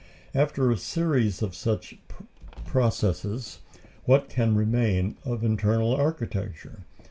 After a series of such processes, what can remain of internal architecture?